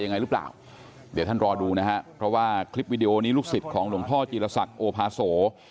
ยังไงหรือเปล่าเดี๋ยวท่านรอดูนะฮะเพราะว่าคลิปวิดีโอนี้ลูกศิษย์ของหลวงพ่อจีรศักดิ์โอภาโส